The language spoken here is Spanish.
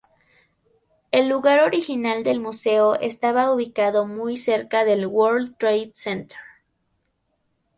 El lugar original del museo estaba ubicado muy cerca del World Trade Center.